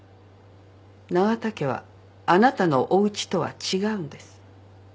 永田家はあなたのおうちとは違うんです。